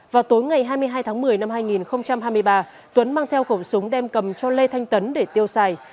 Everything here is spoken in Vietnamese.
vào tối ngày hai mươi hai tháng một mươi năm hai nghìn hai mươi ba tuấn mang theo khẩu súng đem cầm cho lê thanh tấn để tiêu xài